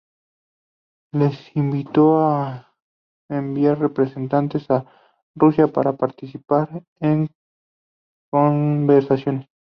Les invitó a enviar representantes a Rusia para participar en conversaciones.